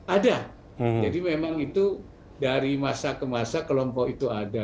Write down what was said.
ada jadi memang itu dari masa ke masa kelompok itu ada